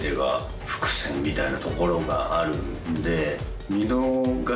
みたいなところがあるんで。